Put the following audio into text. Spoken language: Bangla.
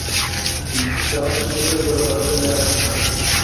যারা শিল্প তৈরি করে তাদেরকে মেয়েরা পছন্দ করে।